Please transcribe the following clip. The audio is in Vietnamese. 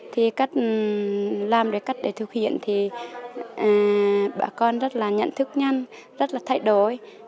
thì cách làm cách thực hiện thì bà con rất là nhận thức nhanh rất là thay đổi